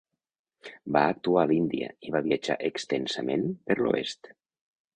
Va actuar a l'Índia i va viatjar extensament per l'oest.